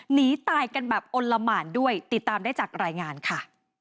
หนีตายกันแบบอลละหมานด้วยติดตามได้จากรายงานค่ะ